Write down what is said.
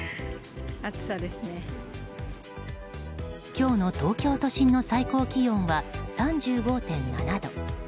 今日の東京都心の最高気温は３５．７度。